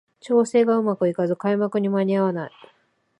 調整がうまくいかず開幕に間に合わない